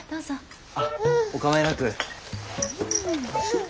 あっお構いなく。